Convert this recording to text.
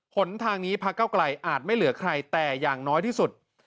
หนทางนี้พักเก้าไกลอาจไม่เหลือใครแต่อย่างน้อยที่สุด